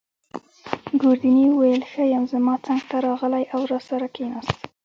ګوردیني وویل: ښه یم. زما څنګته راغلی او راسره کښېناست.